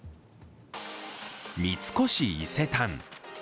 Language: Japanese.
三越伊勢丹。